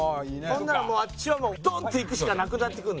ほんならあっちはドンっていくしかなくなって。